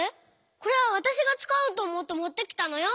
これはわたしがつかおうとおもってもってきたのよ！